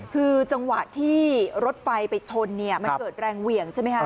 คือจังหวะที่รถไฟไปชนเนี่ยมันเกิดแรงเหวี่ยงใช่ไหมคะ